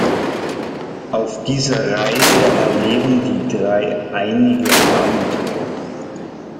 Auf dieser Reise erleben die drei einige Abenteuer.